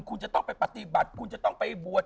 คุณจะต้องไปปฏิบัติคุณจะต้องไปบวช